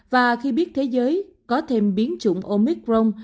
và khi biết thế giới có thêm biến chủng omicron